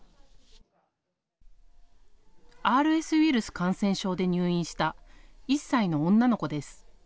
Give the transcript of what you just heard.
ＲＳウイルス感染症で入院した１歳の女の子です。